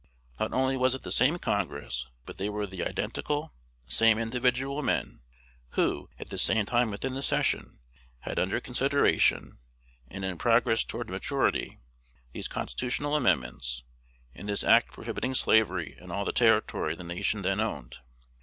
Not only was it the same Congress, but they were the identical, same individual men, who, at the same time within the session, had under consideration, and in progress toward maturity, these constitutional amendments, and this act prohibiting slavery in all the territory the nation then owned.